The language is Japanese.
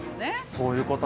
そういうこと？